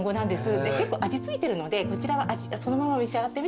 結構味付いてるのでこちらはそのまま召し上がってみてください。